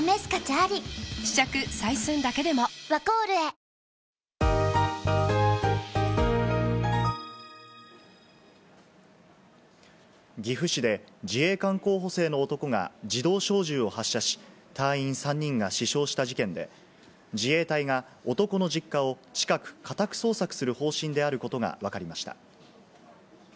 東京海上日動岐阜市で自衛官候補生の男が自動小銃を発射し、隊員３人が死傷した事件で、自衛隊が男の実家を近く家宅捜索する方針であることがわかりました。